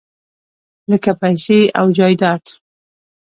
لکه پیسې او جایداد .